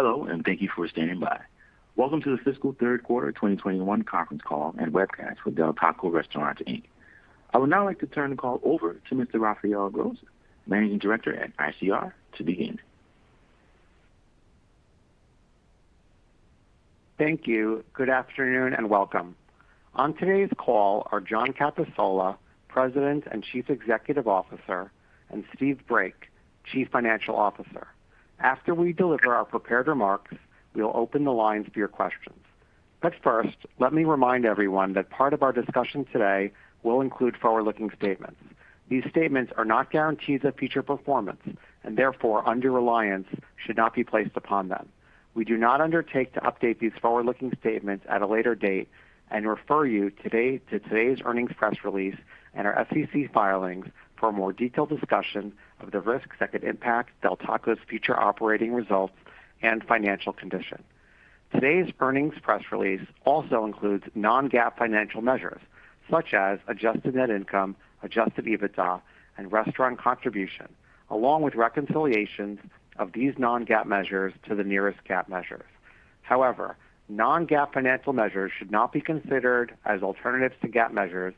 Hello, and thank you for standing by. Welcome to the fiscal third quarter 2021 conference call and webcast with Del Taco Restaurants, Inc. I would now like to turn the call over to Mr. Raphael Gross, Managing Director at ICR, to begin. Thank you. Good afternoon, and welcome. On today's call are John Cappasola, President and Chief Executive Officer, and Steve Brake, Chief Financial Officer. After we deliver our prepared remarks, we will open the lines for your questions. First, let me remind everyone that part of our discussion today will include forward-looking statements. These statements are not guarantees of future performance, and therefore, undue reliance should not be placed upon them. We do not undertake to update these forward-looking statements at a later date and refer you to today's earnings press release and our SEC filings for a more detailed discussion of the risks that could impact Del Taco's future operating results and financial condition. Today's earnings press release also includes non-GAAP financial measures, such as adjusted net income, adjusted EBITDA, and restaurant contribution, along with reconciliations of these non-GAAP measures to the nearest GAAP measures. However, non-GAAP financial measures should not be considered as alternatives to GAAP measures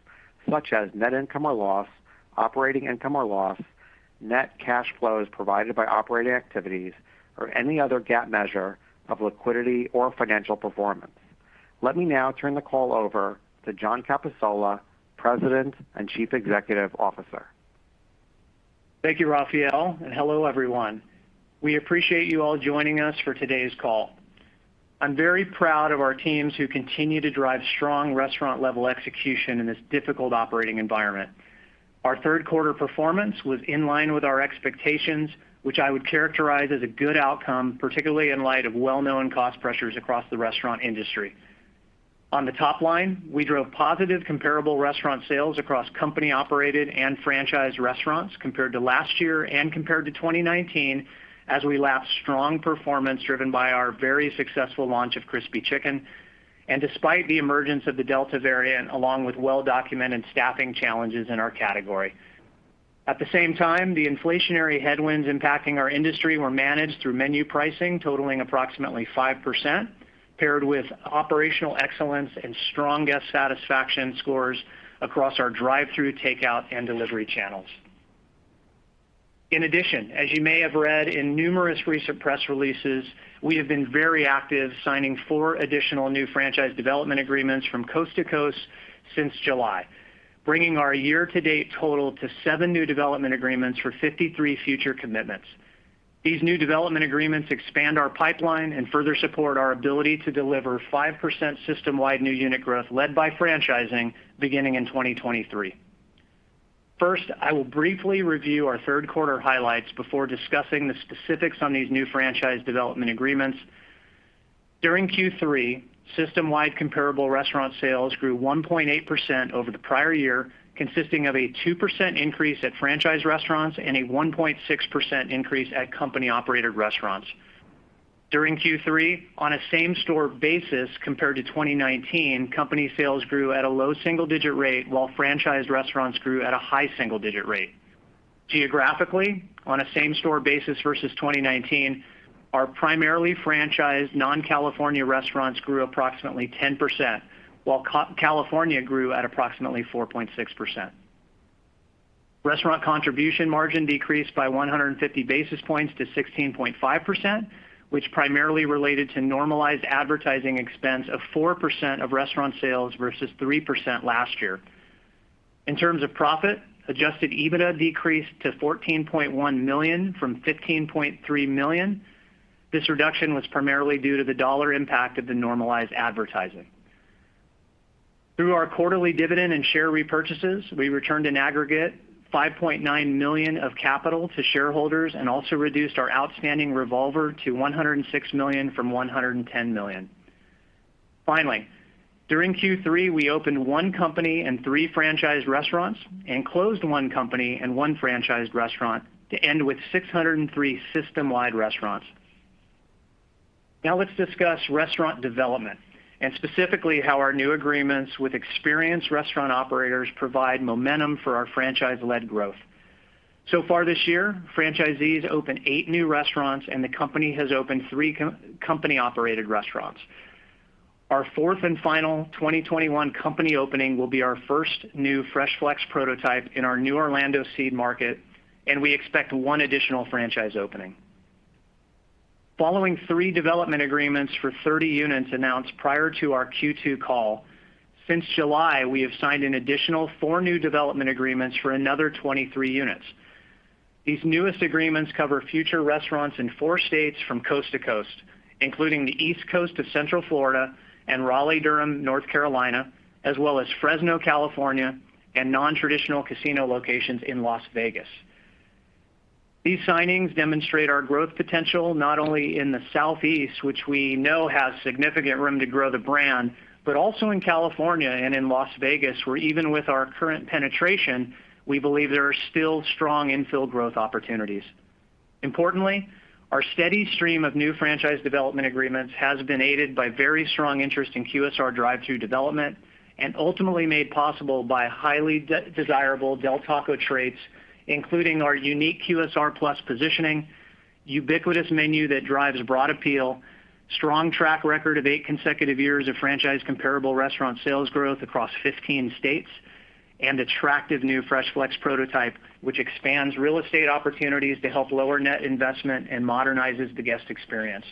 such as net income or loss, operating income or loss, net cash flows provided by operating activities, or any other GAAP measure of liquidity or financial performance. Let me now turn the call over to John Cappasola, President and Chief Executive Officer. Thank you, Raphael, hello, everyone. We appreciate you all joining us for today's call. I am very proud of our teams who continue to drive strong restaurant-level execution in this difficult operating environment. Our third quarter performance was in line with our expectations, which I would characterize as a good outcome, particularly in light of well-known cost pressures across the restaurant industry. On the top line, we drove positive comparable restaurant sales across company-operated and franchise restaurants compared to last year and compared to 2019 as we lap strong performance driven by our very successful launch of Crispy Chicken, despite the emergence of the Delta variant, along with well-documented staffing challenges in our category. At the same time, the inflationary headwinds impacting our industry were managed through menu pricing totaling approximately 5%, paired with operational excellence and strong guest satisfaction scores across our drive-through takeout and delivery channels. In addition, as you may have read in numerous recent press releases, we have been very active signing four additional new franchise development agreements from coast to coast since July, bringing our year-to-date total to seven new development agreements for 53 future commitments. These new development agreements expand our pipeline and further support our ability to deliver 5% system-wide new unit growth led by franchising beginning in 2023. First, I will briefly review our third quarter highlights before discussing the specifics on these new franchise development agreements. During Q3, system-wide comparable restaurant sales grew 1.8% over the prior year, consisting of a 2% increase at franchise restaurants and a 1.6% increase at company-operated restaurants. During Q3, on a same-store basis compared to 2019, company sales grew at a low single-digit rate, while franchise restaurants grew at a high single-digit rate. Geographically, on a same-store basis versus 2019, our primarily franchised non-California restaurants grew approximately 10%, while California grew at approximately 4.6%. Restaurant contribution margin decreased by 150 basis points to 16.5%, which primarily related to normalized advertising expense of 4% of restaurant sales versus 3% last year. In terms of profit, adjusted EBITDA decreased to $14.1 million from $15.3 million. This reduction was primarily due to the dollar impact of the normalized advertising. Through our quarterly dividend and share repurchases, we returned an aggregate $5.9 million of capital to shareholders and also reduced our outstanding revolver to $106 million from $110 million. Finally, during Q3, we opened one company and three franchise restaurants and closed one company and one franchise restaurant to end with 603 system-wide restaurants. Now let's discuss restaurant development and specifically how our new agreements with experienced restaurant operators provide momentum for our franchise-led growth. Far this year, franchisees opened eight new restaurants, and the company has opened three company-operated restaurants. Our fourth and final 2021 company opening will be our first new Fresh Flex prototype in our new Orlando seed market, and we expect one additional franchise opening. Following three development agreements for 30 units announced prior to our Q2 call, since July, we have signed an additional four new development agreements for another 23 units. These newest agreements cover future restaurants in four states from coast to coast, including the East Coast of Central Florida and Raleigh Durham, North Carolina, as well as Fresno, California, and non-traditional casino locations in Las Vegas. These signings demonstrate our growth potential not only in the Southeast, which we know has significant room to grow the brand, but also in California and in Las Vegas, where even with our current penetration, we believe there are still strong infill growth opportunities. Importantly, our steady stream of new franchise development agreements has been aided by very strong interest in QSR drive-through development and ultimately made possible by highly desirable Del Taco traits, including our unique QSR-plus positioning, ubiquitous menu that drives broad appeal, strong track record of eight consecutive years of franchise comparable restaurant sales growth across 15 states, and attractive new Fresh Flex prototype, which expands real estate opportunities to help lower net investment and modernizes the guest experience.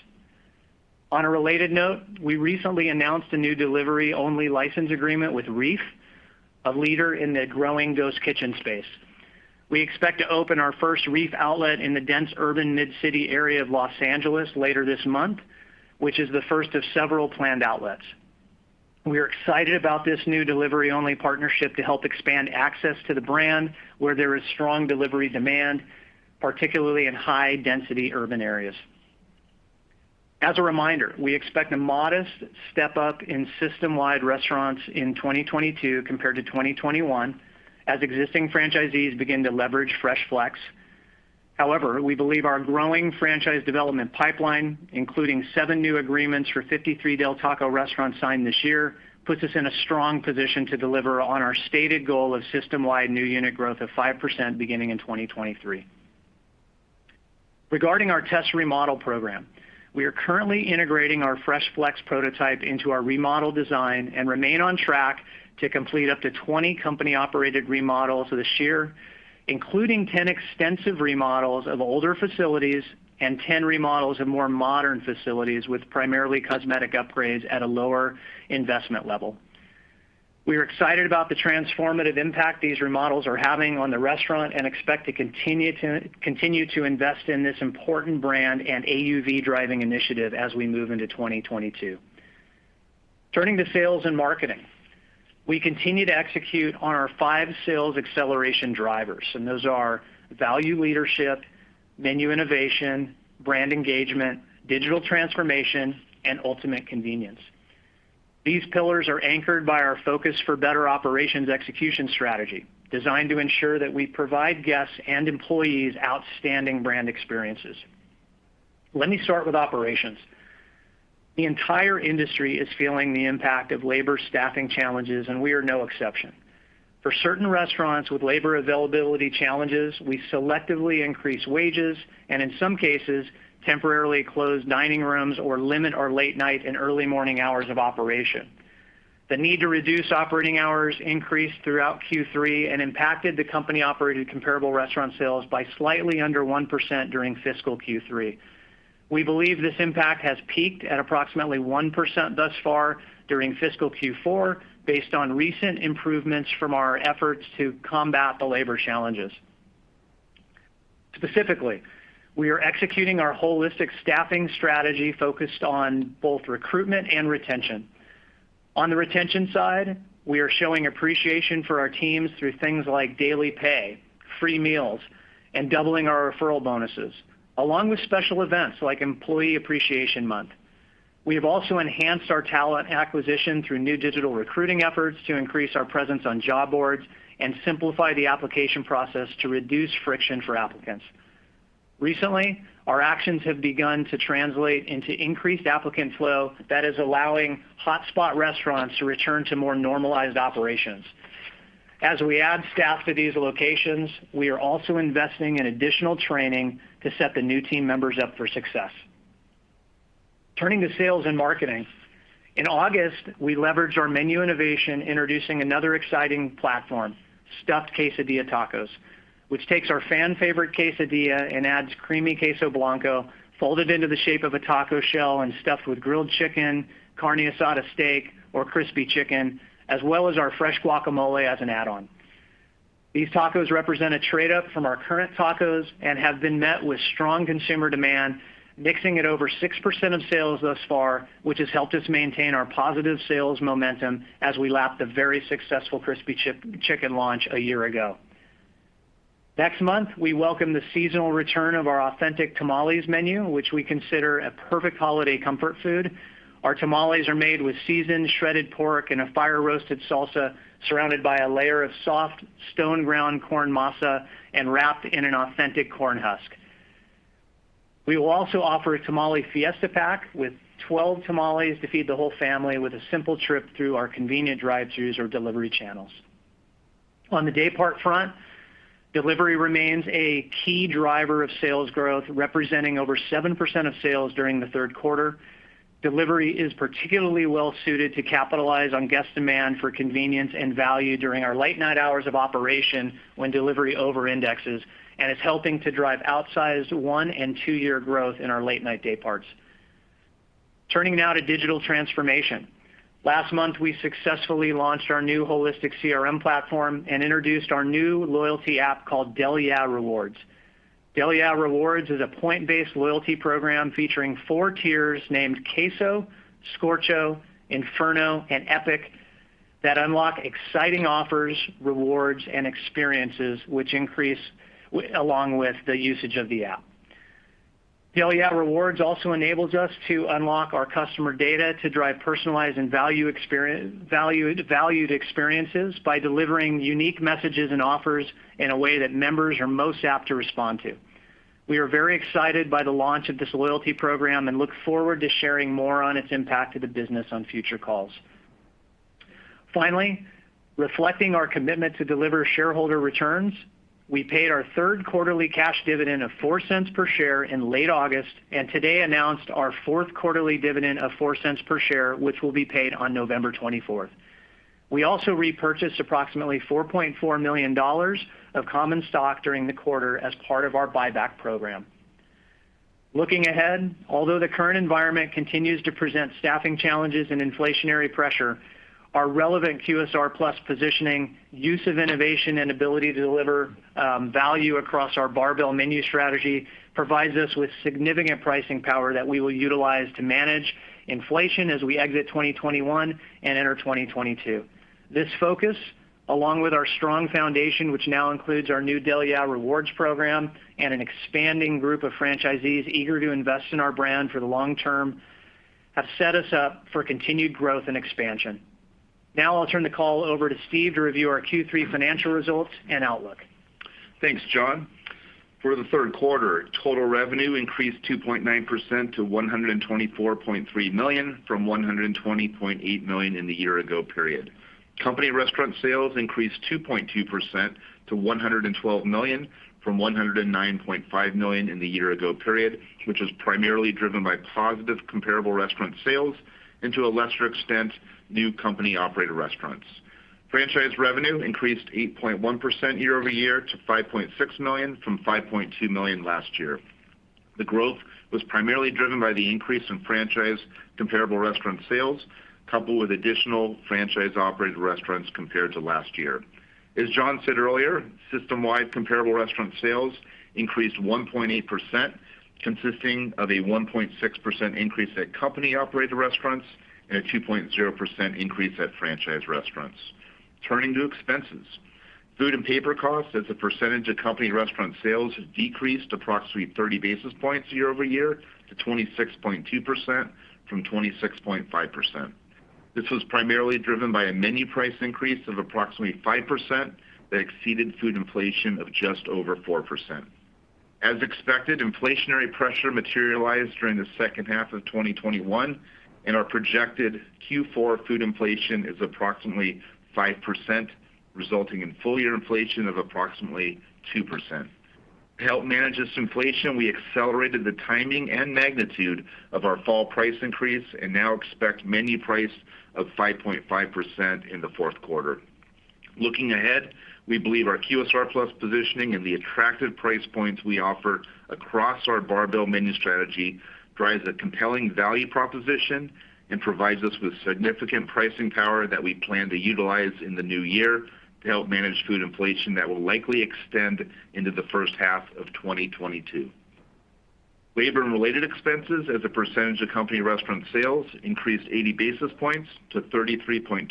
On a related note, we recently announced a new delivery-only license agreement with Reef, a leader in the growing ghost kitchen space. We expect to open our first Reef outlet in the dense urban mid-city area of Los Angeles later this month, which is the first of several planned outlets. We are excited about this new delivery-only partnership to help expand access to the brand where there is strong delivery demand, particularly in high-density urban areas. As a reminder, we expect a modest step-up in system-wide restaurants in 2022 compared to 2021 as existing franchisees begin to leverage Fresh Flex. We believe our growing franchise development pipeline, including seven new agreements for 53 Del Taco restaurants signed this year, puts us in a strong position to deliver on our stated goal of system-wide new unit growth of 5% beginning in 2023. Regarding our test remodel program, we are currently integrating our Fresh Flex prototype into our remodel design and remain on track to complete up to 20 company-operated remodels this year, including 10 extensive remodels of older facilities and 10 remodels of more modern facilities with primarily cosmetic upgrades at a lower investment level. We are excited about the transformative impact these remodels are having on the restaurant and expect to continue to invest in this important brand and AUV-driving initiative as we move into 2022. Turning to sales and marketing, we continue to execute on our five sales acceleration drivers. Those are value leadership, menu innovation, brand engagement, digital transformation, and ultimate convenience. These pillars are anchored by our Focus for Better Operations execution strategy, designed to ensure that we provide guests and employees outstanding brand experiences. Let me start with operations. The entire industry is feeling the impact of labor staffing challenges, and we are no exception. For certain restaurants with labor availability challenges, we selectively increase wages, and in some cases, temporarily close dining rooms or limit our late-night and early-morning hours of operation. The need to reduce operating hours increased throughout Q3 and impacted the company-operated comparable restaurant sales by slightly under 1% during fiscal Q3. We believe this impact has peaked at approximately 1% thus far during fiscal Q4 based on recent improvements from our efforts to combat the labor challenges. Specifically, we are executing our holistic staffing strategy focused on both recruitment and retention. On the retention side, we are showing appreciation for our teams through things like daily pay, free meals, and doubling our referral bonuses, along with special events like Employee Appreciation Month. We have also enhanced our talent acquisition through new digital recruiting efforts to increase our presence on job boards and simplify the application process to reduce friction for applicants. Recently, our actions have begun to translate into increased applicant flow that is allowing hotspot restaurants to return to more normalized operations. As we add staff to these locations, we are also investing in additional training to set the new team members up for success. Turning to sales and marketing. In August, we leveraged our menu innovation, introducing another exciting platform, Stuffed Quesadilla Tacos, which takes our fan favorite quesadilla and adds creamy Queso Blanco folded into the shape of a taco shell and stuffed with grilled chicken, carne asada steak, or Crispy Chicken, as well as our fresh guacamole as an add-on. These tacos represent a trade-up from our current tacos and have been met with strong consumer demand, mixing at over 6% of sales thus far, which has helped us maintain our positive sales momentum as we lap the very successful Crispy Chicken launch a year ago. Next month, we welcome the seasonal return of our authentic tamales menu, which we consider a perfect holiday comfort food. Our tamales are made with seasoned shredded pork in a fire-roasted salsa, surrounded by a layer of soft stone-ground corn masa, and wrapped in an authentic corn husk. We will also offer a Tamales Fiesta Pack with 12 tamales to feed the whole family with a simple trip through our convenient drive-throughs or delivery channels. On the daypart front, delivery remains a key driver of sales growth, representing over 7% of sales during the third quarter. Delivery is particularly well-suited to capitalize on guest demand for convenience and value during our late-night hours of operation when delivery over-indexes and is helping to drive outsized one and two-year growth in our late-night daypart. Turning now to digital transformation. Last month, we successfully launched our new holistic CRM platform and introduced our new loyalty app called Del Yeah! Rewards. Del Yeah! Rewards is a point-based loyalty program featuring four tiers named Queso, Scorcho, Inferno, and Epic that unlock exciting offers, rewards, and experiences which increase along with the usage of the app. Del Yeah! Rewards also enables us to unlock our customer data to drive personalized and valued experiences by delivering unique messages and offers in a way that members are most apt to respond to. We are very excited by the launch of this loyalty program and look forward to sharing more on its impact to the business on future calls. Reflecting our commitment to deliver shareholder returns, we paid our third quarterly cash dividend of $0.04 per share in late August, and today announced our fourth quarterly dividend of $0.04 per share, which will be paid on November 24th. We also repurchased approximately $4.4 million of common stock during the quarter as part of our buyback program. Looking ahead, although the current environment continues to present staffing challenges and inflationary pressure, our relevant QSR-plus positioning, use of innovation, and ability to deliver value across our barbell menu strategy provides us with significant pricing power that we will utilize to manage inflation as we exit 2021 and enter 2022. This focus, along with our strong foundation, which now includes our new Del Yeah! Rewards program and an expanding group of franchisees eager to invest in our brand for the long term, have set us up for continued growth and expansion. I'll turn the call over to Steve to review our Q3 financial results and outlook. Thanks, John. For the third quarter, total revenue increased 2.9% to $124.3 million, from $120.8 million in the year ago period. Company restaurant sales increased 2.2% to $112 million, from $109.5 million in the year ago period, which was primarily driven by positive comparable restaurant sales and to a lesser extent, new company-operated restaurants. Franchise revenue increased 8.1% year-over-year to $5.6 million from $5.2 million last year. The growth was primarily driven by the increase in franchise comparable restaurant sales, coupled with additional franchise-operated restaurants compared to last year. As John said earlier, system-wide comparable restaurant sales increased 1.8%, consisting of a 1.6% increase at company-operated restaurants and a 2.0% increase at franchise restaurants. Turning to expenses. Food and paper costs as a percentage of company restaurant sales decreased approximately 30 basis points year-over-year to 26.2% from 26.5%. This was primarily driven by a menu price increase of approximately 5% that exceeded food inflation of just over 4%. As expected, inflationary pressure materialized during the second half of 2021, and our projected Q4 food inflation is approximately 5%, resulting in full year inflation of approximately 2%. To help manage this inflation, we accelerated the timing and magnitude of our fall price increase and now expect menu price of 5.5% in the fourth quarter. Looking ahead, we believe our QSR-plus positioning and the attractive price points we offer across our barbell menu strategy drives a compelling value proposition and provides us with significant pricing power that we plan to utilize in the new year to help manage food inflation that will likely extend into the first half of 2022. Labor and related expenses as a percentage of company restaurant sales increased 80 basis points to 33.2%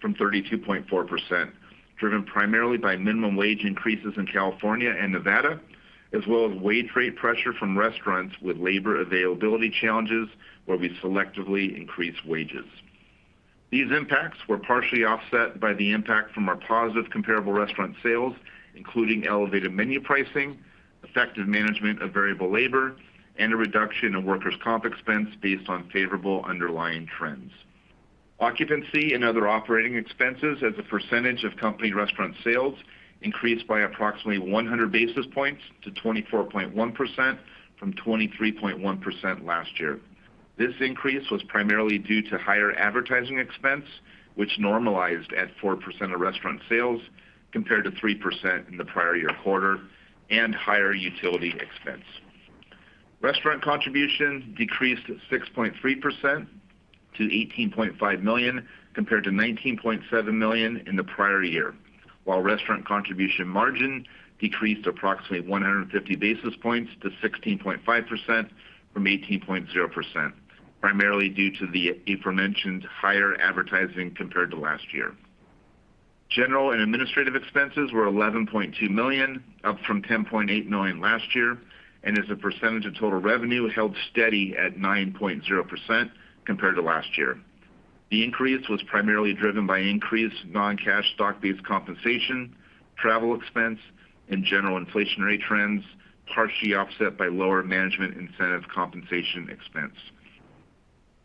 from 32.4%, driven primarily by minimum wage increases in California and Nevada, as well as wage rate pressure from restaurants with labor availability challenges where we selectively increased wages. These impacts were partially offset by the impact from our positive comparable restaurant sales, including elevated menu pricing, effective management of variable labor, and a reduction in workers' comp expense based on favorable underlying trends. Occupancy and other operating expenses as a percentage of company restaurant sales increased by approximately 100 basis points to 24.1% from 23.1% last year. This increase was primarily due to higher advertising expense, which normalized at 4% of restaurant sales compared to 3% in the prior year quarter, and higher utility expense. Restaurant contribution decreased 6.3% to $18.5 million compared to $19.7 million in the prior year, while restaurant contribution margin decreased approximately 150 basis points to 16.5% from 18.0%, primarily due to the aforementioned higher advertising compared to last year. General and administrative expenses were $11.2 million, up from $10.8 million last year, and as a percentage of total revenue held steady at 9.0% compared to last year. The increase was primarily driven by increased non-cash stock-based compensation, travel expense, and general inflationary trends, partially offset by lower management incentive compensation expense.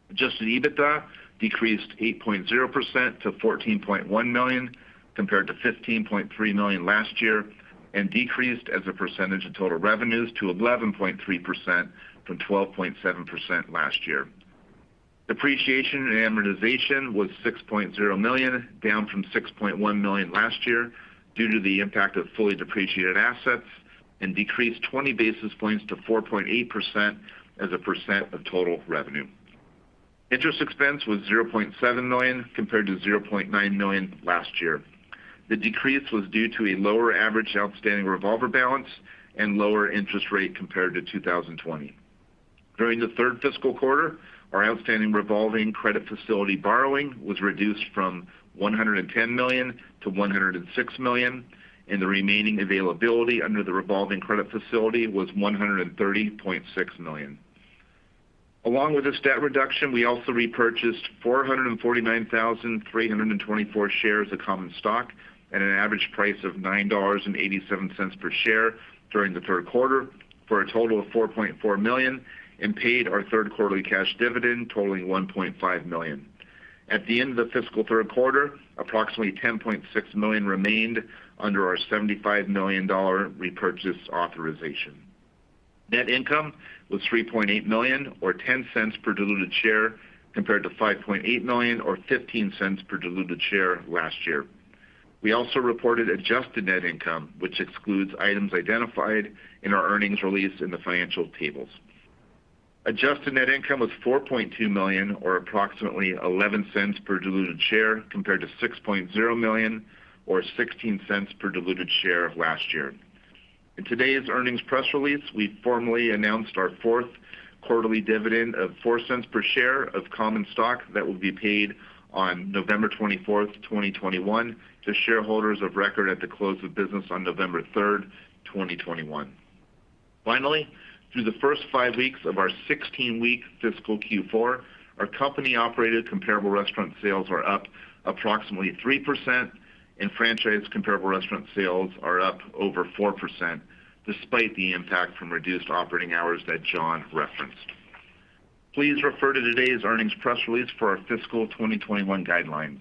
Adjusted EBITDA decreased 8.0% to $14.1 million compared to $15.3 million last year, and decreased as a percentage of total revenues to 11.3% from 12.7% last year. Depreciation and amortization was $6.0 million, down from $6.1 million last year due to the impact of fully depreciated assets, and decreased 20 basis points to 4.8% as a percent of total revenue. Interest expense was $0.7 million compared to $0.9 million last year. The decrease was due to a lower average outstanding revolver balance and lower interest rate compared to 2020. During the third fiscal quarter, our outstanding revolving credit facility borrowing was reduced from $110 million to $106 million, and the remaining availability under the revolving credit facility was $130.6 million. Along with this debt reduction, we also repurchased 449,324 shares of common stock at an average price of $9.87 per share during the third quarter for a total of $4.4 million and paid our third quarterly cash dividend totaling $1.5 million. At the end of the fiscal third quarter, approximately $10.6 million remained under our $75 million repurchase authorization. Net income was $3.8 million, or $0.10 per diluted share, compared to $5.8 million or $0.15 per diluted share last year. We also reported adjusted net income, which excludes items identified in our earnings release in the financial tables. Adjusted net income was $4.2 million, or approximately $0.11 per diluted share, compared to $6.0 million or $0.16 per diluted share last year. In today's earnings press release, we formally announced our fourth quarterly dividend of $0.04 per share of common stock that will be paid on November 24th, 2021 to shareholders of record at the close of business on November 3rd, 2021. Finally, through the first five weeks of our 16-week fiscal Q4, our company-operated comparable restaurant sales are up approximately 3%, and franchise comparable restaurant sales are up over 4%, despite the impact from reduced operating hours that John referenced. Please refer to today's earnings press release for our fiscal 2021 guidelines.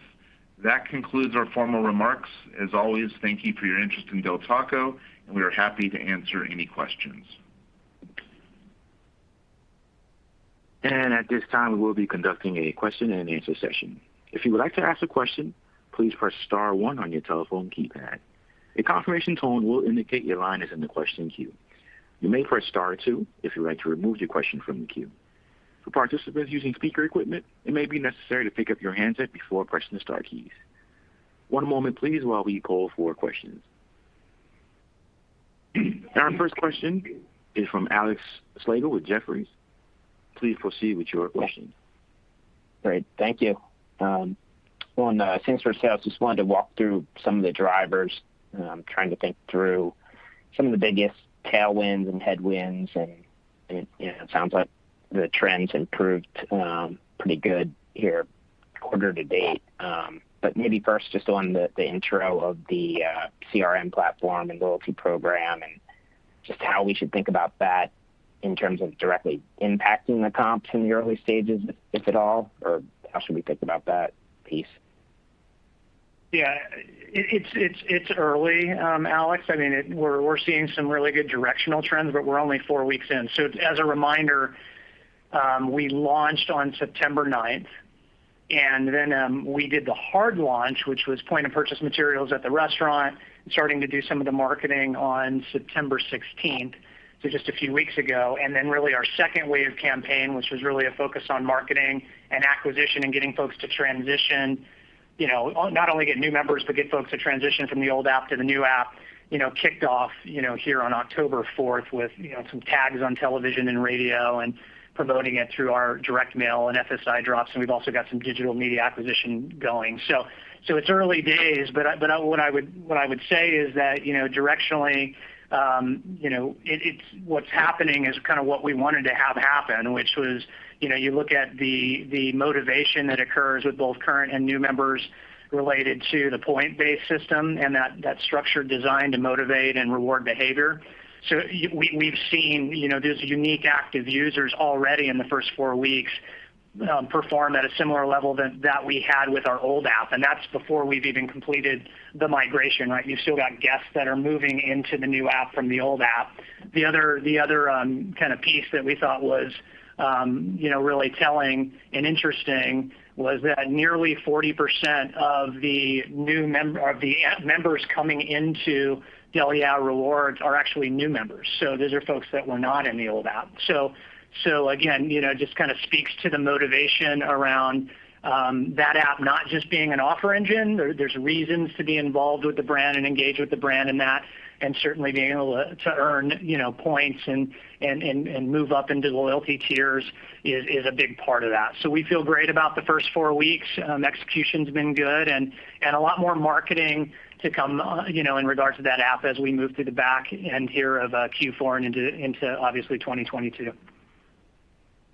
That concludes our formal remarks. As always, thank you for your interest in Del Taco, and we are happy to answer any questions. At this time, we will be conducting a question-and-answer session. If you would like to ask a question, please press star one on your telephone keypad. A confirmation tone will indicate your line is in the question queue. You may press star two if you would like to remove your question from the queue. For participants using speaker equipment, it may be necessary to pick up your handset before pressing the star keys. One moment, please, while we poll for questions. Our first question is from Alex Slagle with Jefferies. Please proceed with your question. Great. Thank you. On same-store sales, just wanted to walk through some of the drivers. Trying to think through some of the biggest tailwinds and headwinds, and it sounds like the trends improved pretty good here quarter to date. Maybe first just on the intro of the CRM platform and loyalty program, and just how we should think about that in terms of directly impacting the comps in the early stages, if at all, or how should we think about that piece? It's early, Alex. We're seeing some really good directional trends, but we're only four weeks in. As a reminder, we launched on September 9th, and then we did the hard launch, which was point of purchase materials at the restaurant and starting to do some of the marketing on September 16th. Just a few weeks ago. Really our second wave campaign, which was really a focus on marketing and acquisition and getting folks to transition, not only get new members, but get folks to transition from the old app to the new app, kicked off here on October 4th with some tags on television and radio and promoting it through our direct mail and FSI drops, and we've also got some digital media acquisition going. It's early days, but what I would say is that directionally, what's happening is kind of what we wanted to have happen, which was you look at the motivation that occurs with both current and new members related to the point-based system, and that structure designed to motivate and reward behavior. We've seen those unique active users already in the first four weeks perform at a similar level that we had with our old app, and that's before we've even completed the migration, right? You still got guests that are moving into the new app from the old app. The other piece that we thought was really telling and interesting was that nearly 40% of the members coming into Del Yeah! Rewards are actually new members. Those are folks that were not in the old app. Again, just kind of speaks to the motivation around that app not just being an offer engine. There's reasons to be involved with the brand and engage with the brand, and certainly being able to earn points and move up into loyalty tiers is a big part of that. We feel great about the first four weeks. Execution's been good and a lot more marketing to come in regards to that app as we move to the back end here of Q4 and into, obviously, 2022.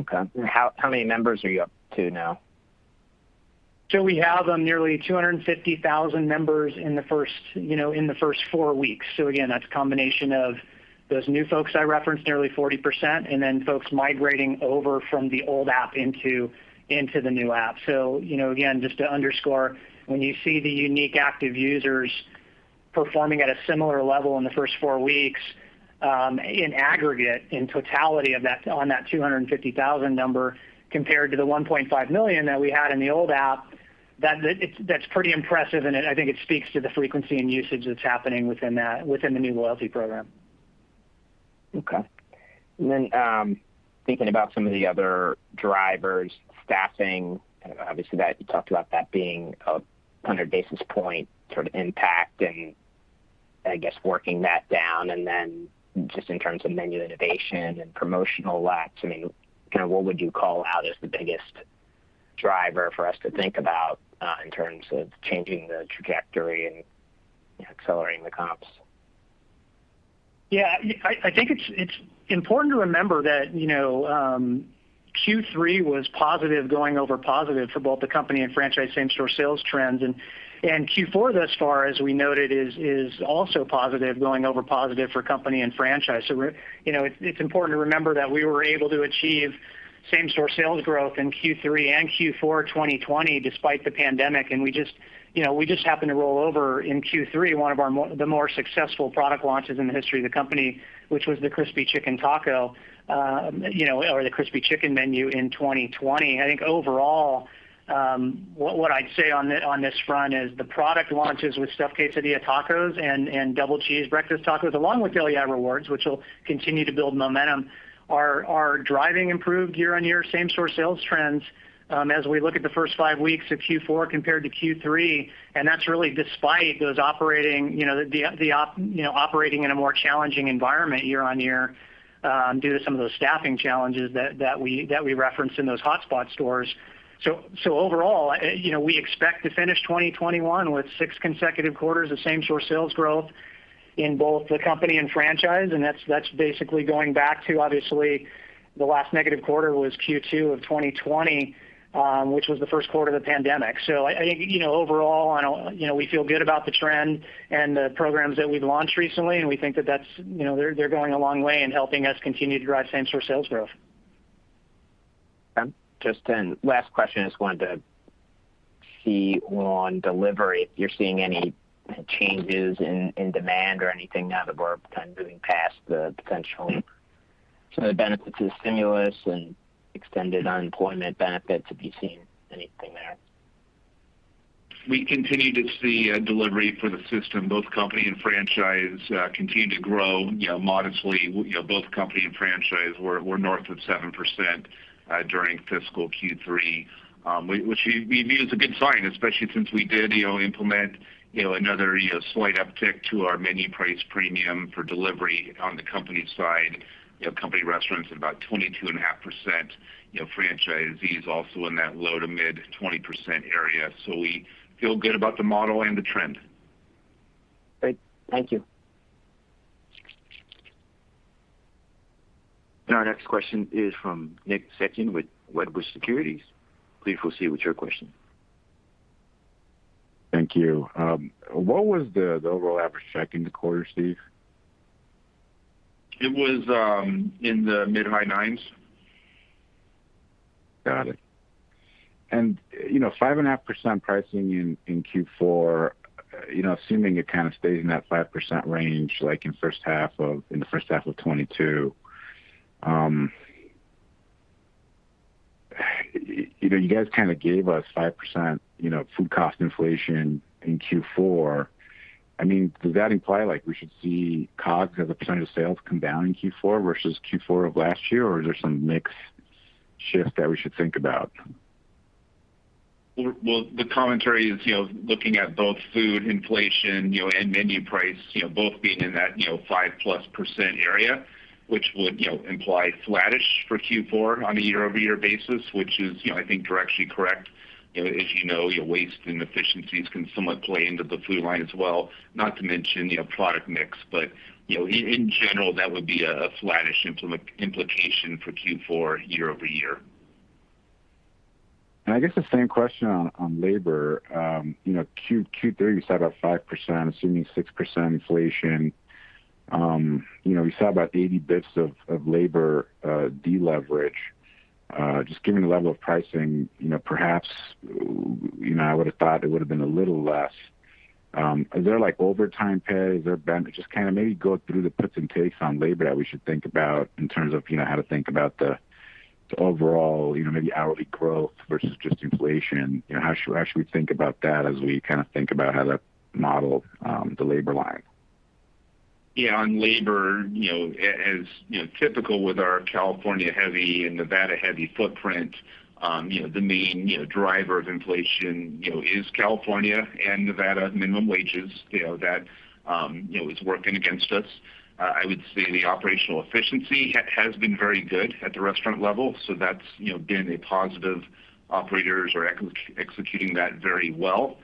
Okay. How many members are you up to now? We have nearly 250,000 members in the first four weeks. Again, that's a combination of those new folks I referenced, nearly 40%, and then folks migrating over from the old app into the new app. Again, just to underscore, when you see the unique active users performing at a similar level in the first four weeks, in aggregate, in totality on that 250,000 number compared to the 1.5 million that we had in the old app, that's pretty impressive, and I think it speaks to the frequency and usage that's happening within the new loyalty program. Okay. Thinking about some of the other drivers, staffing, obviously you talked about that being a 100 basis point sort of impact, and I guess working that down, just in terms of menu innovation and promotional lacks, what would you call out as the biggest driver for us to think about in terms of changing the trajectory and accelerating the comps? Yeah. I think it's important to remember that Q3 was positive going over positive for both the company and franchise same-store sales trends. Q4 thus far, as we noted, is also positive going over positive for company and franchise. It's important to remember that we were able to achieve. Same-store sales growth in Q3 and Q4 2020 despite the pandemic, and we just happened to roll over in Q3 one of the more successful product launches in the history of the company, which was the Crispy Chicken Taco, or the Crispy Chicken menu in 2020. I think overall, what I'd say on this front is the product launches with Stuffed Quesadilla Tacos and Double Cheese Breakfast Tacos, along with Del Yeah! Rewards, which will continue to build momentum, are driving improved year-on-year same-store sales trends as we look at the first five weeks of Q4 compared to Q3, and that's really despite those operating in a more challenging environment year-on-year due to some of those staffing challenges that we referenced in those hotspot stores. Overall, we expect to finish 2021 with six consecutive quarters of same-store sales growth in both the company and franchise, and that's basically going back to, obviously, the last negative quarter was Q2 of 2020, which was the first quarter of the pandemic. I think, overall, we feel good about the trend and the programs that we've launched recently, and we think that they're going a long way in helping us continue to drive same-store sales growth. Okay. Last question. I just wanted to see on delivery if you're seeing any changes in demand or anything now that we're kind of moving past the potential benefits of stimulus and extended unemployment benefits. Have you seen anything there? We continue to see delivery for the system, both company and franchise, continue to grow modestly. Both company and franchise were north of 7% during fiscal Q3, which we view as a good sign, especially since we did implement another slight uptick to our menu price premium for delivery on the company side. Company restaurants at about 22.5%. Franchisees also in that low to mid 20% area. We feel good about the model and the trend. Great. Thank you. Our next question is from Nick Setyan with Wedbush Securities. Please proceed with your question. Thank you. What was the overall average check in the quarter, Steve? It was in the mid-high nines. Got it. 5.5% pricing in Q4, assuming it kind of stays in that 5% range, like in the first half of 2022. You guys kind of gave us 5% food cost inflation in Q4. Does that imply like we should see COGS as a percent of sales come down in Q4 versus Q4 of last year, or is there some mix shift that we should think about? Well, the commentary is looking at both food inflation, and menu price, both being in that 5%+ area, which would imply flattish for Q4 on a year-over-year basis, which is I think directionally correct. As you know, your waste inefficiencies can somewhat play into the food line as well. Not to mention, product mix. In general, that would be a flattish implication for Q4 year-over-year. I guess the same question on labor. Q3, we saw about 5%, assuming 6% inflation. We saw about 80 basis points of labor de-leverage. Given the level of pricing, perhaps, I would've thought it would've been a little less. Is there overtime pay? Is there benefit? Maybe go through the puts and takes on labor that we should think about in terms of how to think about the overall, maybe hourly growth versus just inflation. How should we think about that as we kind of think about how to model the labor line? On labor, as typical with our California heavy and Nevada heavy footprint, the main driver of inflation is California and Nevada minimum wages. That is working against us. I would say the operational efficiency has been very good at the restaurant level, so that's been a positive. Operators are executing that very well.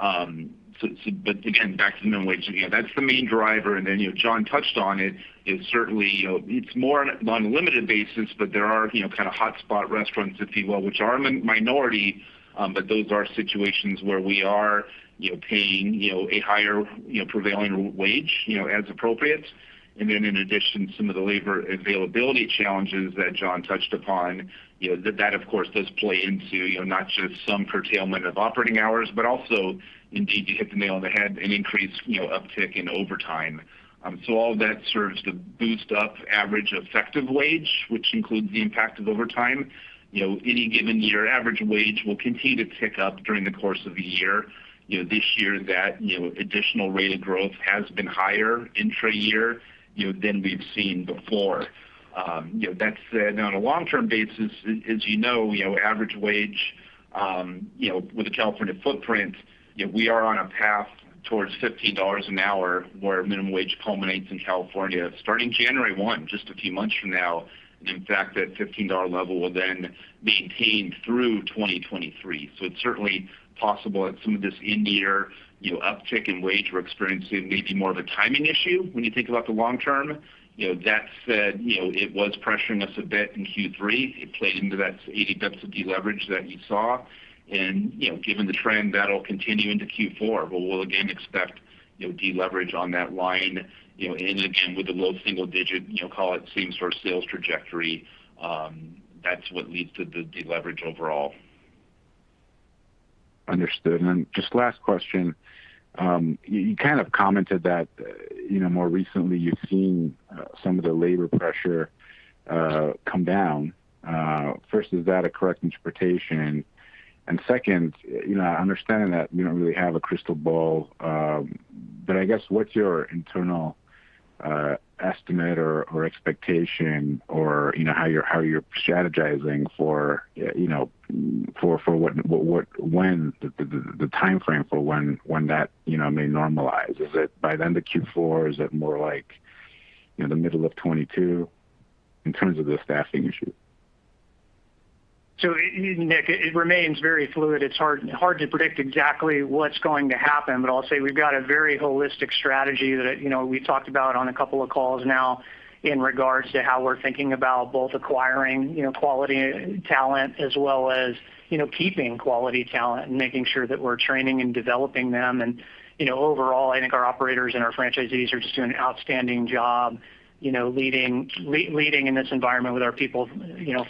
Again, back to minimum wage, that's the main driver, and then John touched on it. It's more on a limited basis, but there are kind of hotspot restaurants, if you will, which are a minority, but those are situations where we are paying a higher prevailing wage, as appropriate. In addition, some of the labor availability challenges that John touched upon. That, of course, does play into not just some curtailment of operating hours, but also indeed, you hit the nail on the head, an increased uptick in overtime. All of that serves to boost up average effective wage, which includes the impact of overtime. Any given year, average wage will continue to tick up during the course of the year. This year, that additional rate of growth has been higher intra-year than we've seen before. That said, now on a long-term basis, as you know, average wage with a California footprint, we are on a path towards $15 an hour where minimum wage culminates in California starting January 1, just a few months from now. In fact, that $15 level will then maintain through 2023. It's certainly possible that some of this in-year uptick in wage we're experiencing may be more of a timing issue when you think about the long term. That said, it was pressuring us a bit in Q3. It played into that 80 basis points of de-leverage that you saw. Given the trend, that'll continue into Q4. We'll again expect de-leverage on that line, again, with a low single-digit, call it same-store sales trajectory. That's what leads to the de-leverage overall. Understood. Just last question. You kind of commented that more recently you've seen some of the labor pressure come down. First, is that a correct interpretation? Second, I understand that you don't really have a crystal ball, but I guess, what's your internal estimate or expectation or how you're strategizing for the timeframe for when that may normalize? Is it by the end of Q4? Is it more like the middle of 2022 in terms of the staffing issue? Nick, it remains very fluid. It's hard to predict exactly what's going to happen. I'll say we've got a very holistic strategy that we talked about on a couple of calls now in regards to how we're thinking about both acquiring quality talent as well as keeping quality talent and making sure that we're training and developing them. Overall, I think our operators and our franchisees are just doing an outstanding job leading in this environment with our people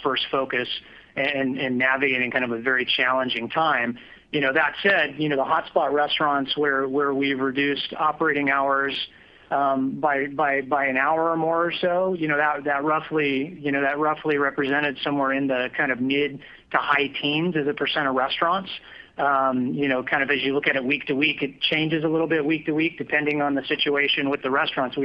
first focus and navigating kind of a very challenging time. That said, the hotspot restaurants where we've reduced operating hours by one hour or more or so, that roughly represented somewhere in the kind of mid to high teens as a percent of restaurants. Kind of as you look at it week to week, it changes a little bit week to week, depending on the situation with the restaurants.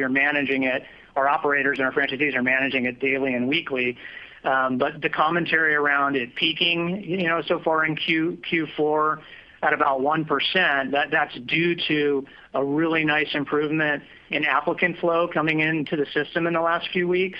Our operators and our franchisees are managing it daily and weekly. The commentary around it peaking so far in Q4 at about 1%, that's due to a really nice improvement in applicant flow coming into the system in the last few weeks.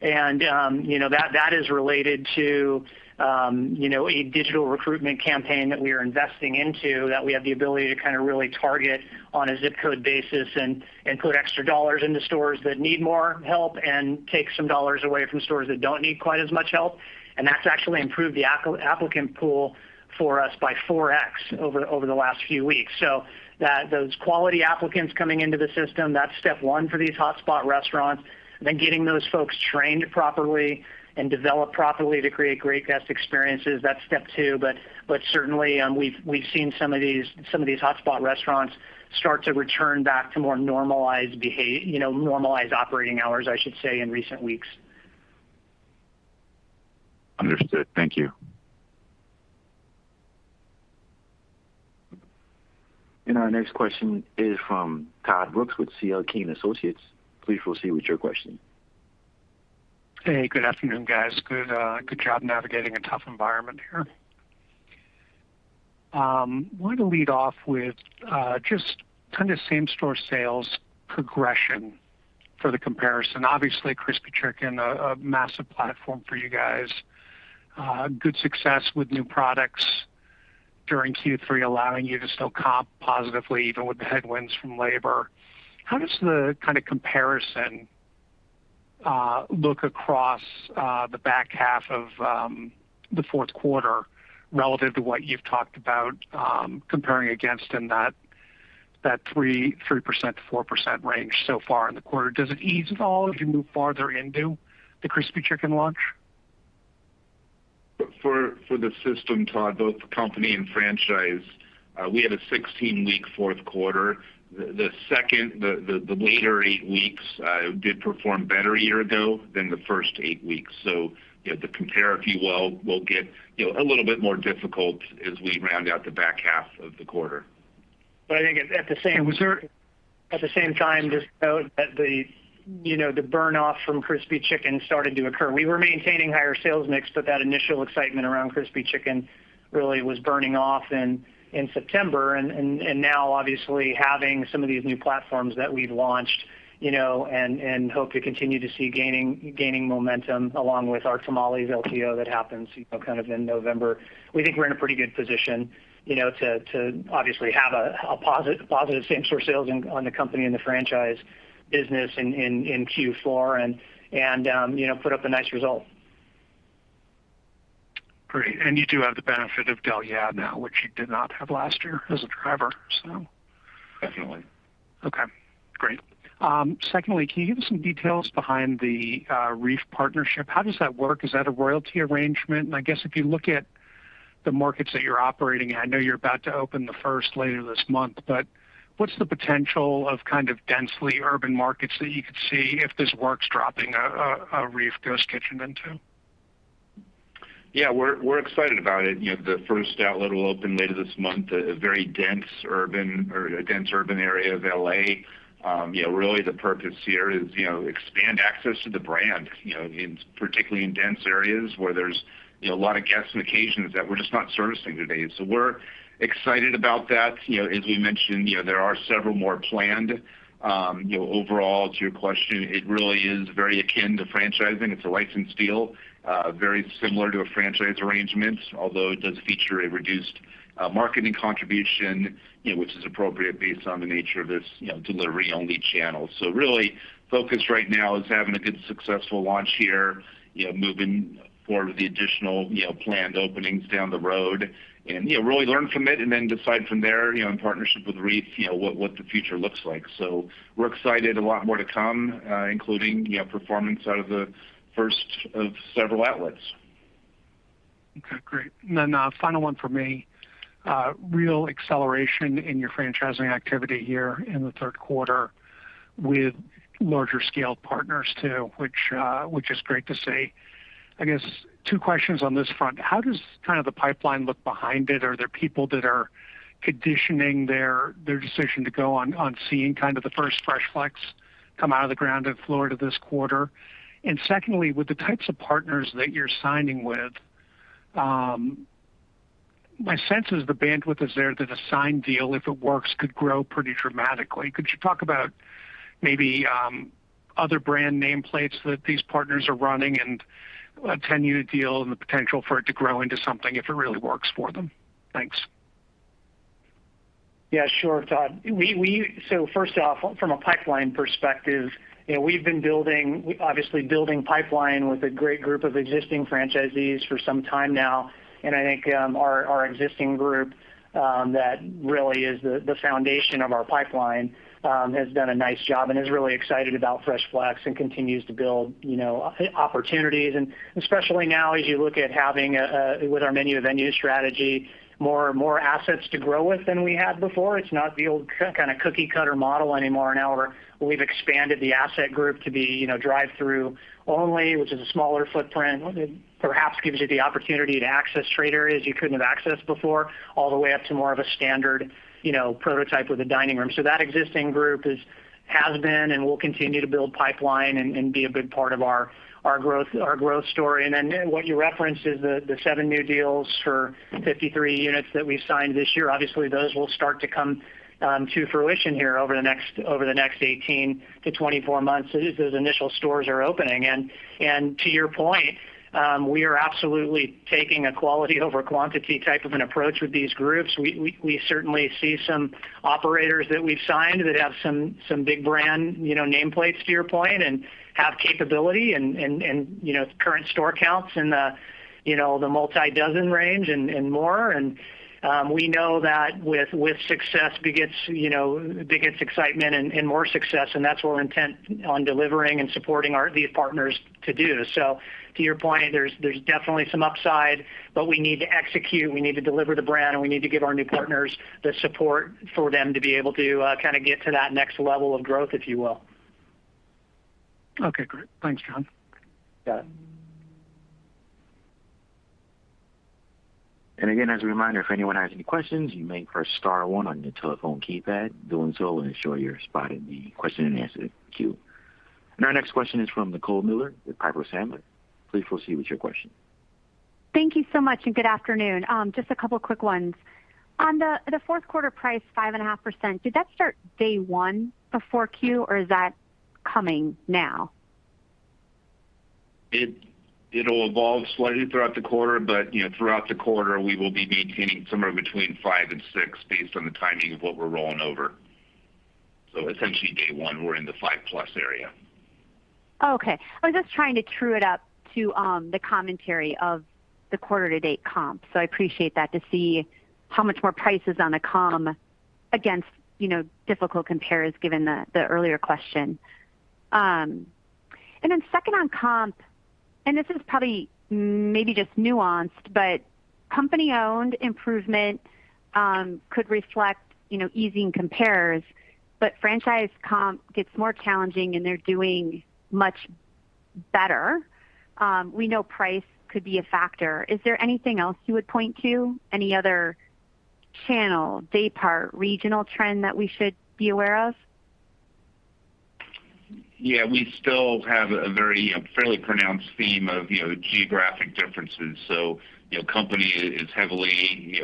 That is related to a digital recruitment campaign that we are investing into that we have the ability to kind of really target on a zip code basis and put extra dollars into stores that need more help and take some dollars away from stores that don't need quite as much help. That's actually improved the applicant pool for us by 4x over the last few weeks. Those quality applicants coming into the system, that's step one for these hotspot restaurants. Getting those folks trained properly and developed properly to create great guest experiences, that's step two. Certainly, we've seen some of these hotspot restaurants start to return back to more normalized operating hours, I should say, in recent weeks. Understood. Thank you. Our next question is from Todd Brooks with C.L. King & Associates. Please proceed with your question. Hey, good afternoon, guys. Good job navigating a tough environment here. Want to lead off with just kind of same-store sales progression for the comparison. Obviously, Crispy Chicken, a massive platform for you guys. Good success with new products during Q3, allowing you to still comp positively even with the headwinds from labor. How does the kind of comparison look across the back half of the fourth quarter relative to what you've talked about comparing against in that 3%-4% range so far in the quarter? Does it ease at all as you move farther into the Crispy Chicken launch? For the system, Todd, both the company and franchise, we had a 16-week fourth quarter. The later eight weeks did perform better a year ago than the first eight weeks. The compare, if you will get a little bit more difficult as we round out the back half of the quarter. But I think at the same- Was there- At the same time, just note that the burn off from Crispy Chicken started to occur. We were maintaining higher sales mix, but that initial excitement around Crispy Chicken really was burning off in September. Now obviously having some of these new platforms that we've launched, and hope to continue to see gaining momentum along with our Tamales LTO that happens kind of in November. We think we're in a pretty good position to obviously have a positive same-store sales on the company and the franchise business in Q4 and put up a nice result. Great. You do have the benefit of Del Yeah! Rewards now, which you did not have last year as a driver. Definitely. Okay, great. Secondly, can you give us some details behind the Reef partnership? How does that work? Is that a royalty arrangement? I guess if you look at the markets that you're operating in, I know you're about to open the first later this month, but what's the potential of kind of densely urban markets that you could see if this works dropping a Reef ghost kitchen into? Yeah, we're excited about it. The first outlet will open later this month. A very dense urban area of L.A. Really the purpose here is expand access to the brand particularly in dense areas where there's a lot of guests and occasions that we're just not servicing today. We're excited about that. As we mentioned, there are several more planned. Overall to your question, it really is very akin to franchising. It's a licensed deal, very similar to a franchise arrangement, although it does feature a reduced marketing contribution, which is appropriate based on the nature of this delivery-only channel. Really focus right now is having a good successful launch here, moving forward with the additional planned openings down the road and really learn from it and then decide from there, in partnership with Reef, what the future looks like. We're excited. A lot more to come, including performance out of the first of several outlets. Okay, great. Then final one from me. Real acceleration in your franchising activity here in the third quarter with larger scale partners too, which is great to see. I guess two questions on this front. How does the pipeline look behind it? Are there people that are conditioning their decision to go on seeing the first Fresh Flex come out of the ground in Florida this quarter? Secondly, with the types of partners that you're signing with, my sense is the bandwidth is there that a signed deal, if it works, could grow pretty dramatically. Could you talk about maybe other brand nameplates that these partners are running, and a 10-year deal, and the potential for it to grow into something if it really works for them? Thanks. Yeah, sure, Todd. First off, from a pipeline perspective, we've been obviously building pipeline with a great group of existing franchisees for some time now. I think our existing group that really is the foundation of our pipeline, has done a nice job and is really excited about Fresh Flex and continues to build opportunities and especially now as you look at having, with our Menu of Venues strategy, more assets to grow with than we had before. It's not the old kind of cookie cutter model anymore. Now we've expanded the asset group to be drive-through only, which is a smaller footprint. Perhaps gives you the opportunity to access trade areas you couldn't have accessed before, all the way up to more of a standard prototype with a dining room. That existing group has been and will continue to build pipeline and be a good part of our growth story. What you referenced is the seven new deals for 53 units that we've signed this year. Those will start to come to fruition here over the next 18 to 24 months, as those initial stores are opening. To your point, we are absolutely taking a quality over quantity type of an approach with these groups. We certainly see some operators that we've signed that have some big brand nameplates, to your point, and have capability and current store counts in the multi-dozen range and more. We know that with success begets excitement and more success, and that's what we're intent on delivering and supporting these partners to do. To your point, there's definitely some upside, but we need to execute, we need to deliver the brand, and we need to give our new partners the support for them to be able to get to that next level of growth, if you will. Okay, great. Thanks, John. Got it. Again, as a reminder, if anyone has any questions, you may press star one on your telephone keypad. Doing so will ensure your spot in the question-and-answer queue. Our next question is from Nicole Miller with Piper Sandler. Please proceed with your question. Thank you so much, good afternoon. Just a couple of quick ones. On the fourth quarter price, 5.5%, did that start day one of 4Q, or is that coming now? It'll evolve slightly throughout the quarter, but throughout the quarter, we will be maintaining somewhere between 5% and 6% based on the timing of what we're rolling over. Essentially, day one, we're in the 5%+ area. Oh, okay. I was just trying to true it up to the commentary of the quarter to date comp. I appreciate that to see how much more price is on the comp against difficult compares given the earlier question. Second on comp, and this is probably maybe just nuanced, but company-owned improvement could reflect easing compares, but franchise comp gets more challenging, and they're doing much better. We know price could be a factor. Is there anything else you would point to? Any other channel, daypart, regional trend that we should be aware of? We still have a very fairly pronounced theme of geographic differences. Company is heavily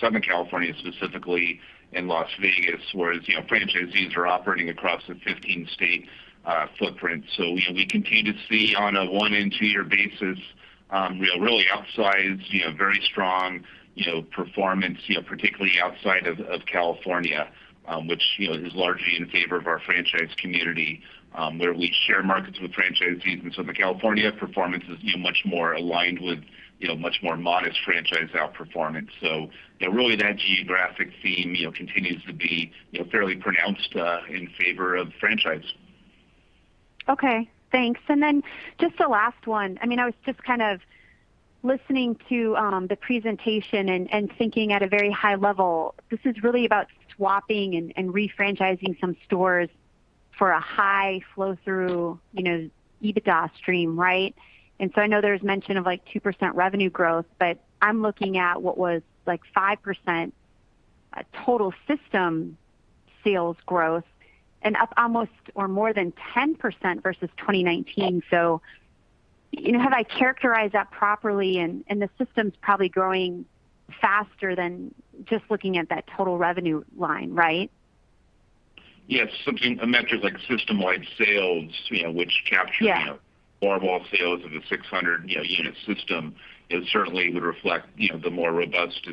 Southern California, specifically in Las Vegas, whereas franchisees are operating across a 15-state footprint. We continue to see on a one in two year basis, really outsized, very strong performance, particularly outside of California, which is largely in favor of our franchise community, where we share markets with franchisees in Southern California. Performance is much more aligned with much more modest franchise outperformance. Really that geographic theme continues to be fairly pronounced in favor of franchise. Okay, thanks. Then just the last one. I was just kind of listening to the presentation and thinking at a very high level. This is really about swapping and refranchising some stores for a high flow through EBITDA stream, right? I know there was mention of 2% revenue growth, but I'm looking at what was 5% total system sales growth and up almost or more than 10% versus 2019. Have I characterized that properly and the system's probably growing faster than just looking at that total revenue line, right? Yes. A metric like systemwide sales, which captures. Yeah. All sales of the 600 unit system, it certainly would reflect the more robust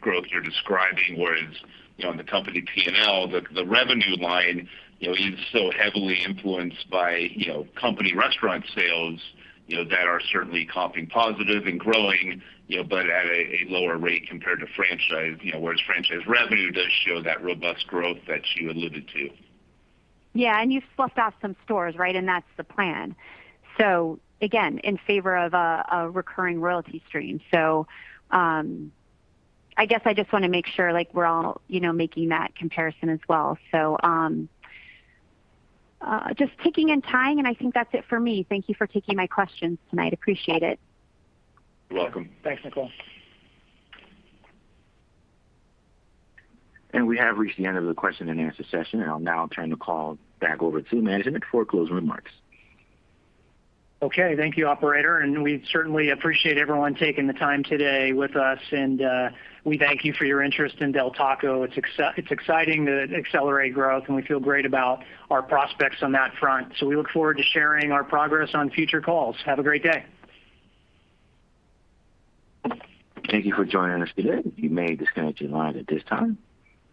growth you're describing, whereas in the company P&L, the revenue line is so heavily influenced by company restaurant sales that are certainly comping positive and growing, but at a lower rate compared to franchise. Whereas franchise revenue does show that robust growth that you alluded to. Yeah. You've swapped out some stores, right? That's the plan. Again, in favor of a recurring royalty stream. I guess I just want to make sure we're all making that comparison as well. Just ticking and tying, and I think that's it for me. Thank you for taking my questions tonight. Appreciate it. You're welcome. Thanks, Nicole. We have reached the end of the question-and-answer session, and I'll now turn the call back over to management for closing remarks. Okay. Thank you, operator. We certainly appreciate everyone taking the time today with us, and we thank you for your interest in Del Taco. It's exciting to accelerate growth, and we feel great about our prospects on that front. We look forward to sharing our progress on future calls. Have a great day. Thank you for joining us today. You may disconnect your lines at this time.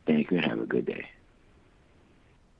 Thank you, and have a good day.